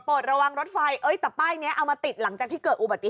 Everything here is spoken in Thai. เปิดเรียกว่ารถไฟเอ้ยแต่ใบนี้เอามาติดหลังจากที่เกิดอุบัติ